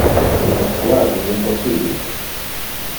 Il es quasi impossibile.